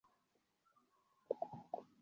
আমরা একজন আহত পুরুষ পেয়েছি।